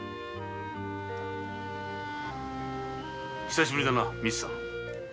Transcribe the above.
久しぶりだなみつさん。